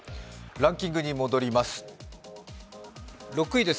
ランキングに戻ります。